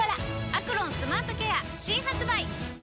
「アクロンスマートケア」新発売！